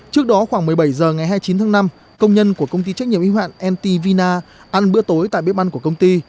trước đó khoảng một mươi bảy h ngày hai mươi chín tháng năm công nhân của công ty trách nhiệm y hoạn nt vina ăn bữa tối tại bếp ăn của công ty